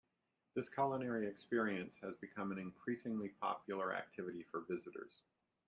This culinary experience has become an increasingly popular activity for visitors.